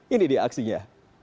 ini dia aksinya